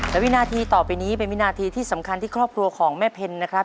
และวินาทีต่อไปนี้เป็นวินาทีที่สำคัญที่ครอบครัวของแม่เพนนะครับ